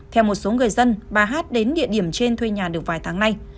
theo một số người dân bà hát đến địa điểm trên thuê nhà được vài tháng nay